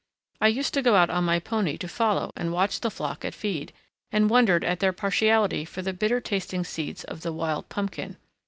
I used to go out on my pony to follow and watch the flock at feed, and wondered at their partiality for the bitter tasting seeds of the wild pumpkin.